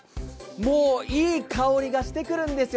もういい香りがしてくるんですよ。